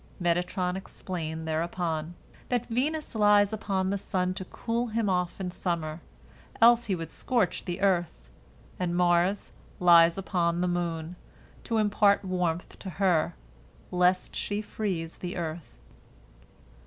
Metatron explained thereupon, that Venus lies upon the sun to cool him off in summer, else he would scorch the earth, and Mars lies upon the moon, to impart warmth to her, lest she freeze the earth.